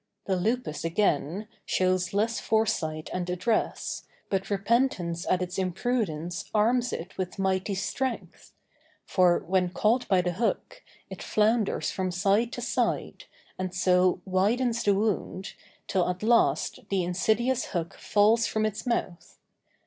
The lupus, again, shows less foresight and address, but repentance at its imprudence arms it with mighty strength; for, when caught by the hook, it flounders from side to side, and so widens the wound, till at last the insidious hook falls from its mouth.